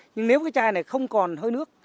nhưng nếu cái chai này không còn hơi nước